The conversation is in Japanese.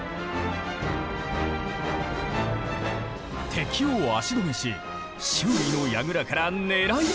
敵を足止めし周囲の櫓から狙い撃ち！